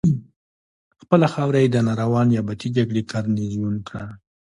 خپله خاوره یې د ناروا نیابتي جګړې ګارنیزیون کړه.